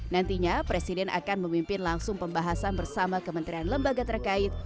nantinya presiden akan memimpin langsung pembahasan bersama kementerian lembaga terkait